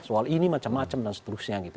soal ini macam macam dan seterusnya gitu